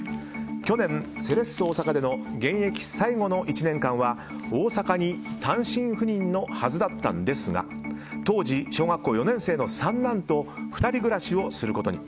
去年、セレッソ大阪での現役最後の１年間は大阪に単身赴任のはずだったんですが当時、小学校４年生の三男と２人暮らしをすることに。